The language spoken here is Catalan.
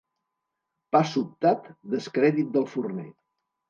Pa sobtat, descrèdit del forner.